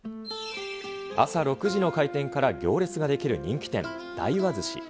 朝６時の開店から行列が出来る人気店、大和寿司。